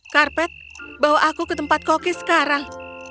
karpet bawa aku ke tempat koki sekarang